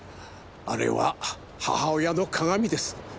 あれは母親の鑑です。